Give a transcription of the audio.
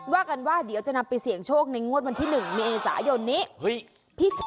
ว่ากันว่าเดี๋ยวจะนำไปเสี่ยงโชคในงวดวันที่๑เมษายนนี้